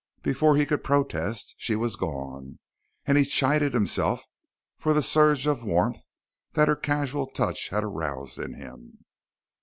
Before he could protest, she was gone, and he chided himself for the surge of warmth that her casual touch aroused in him.